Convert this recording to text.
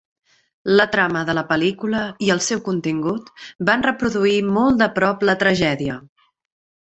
La trama de la pel·lícula i el seu contingut van reproduir molt de prop la tragèdia.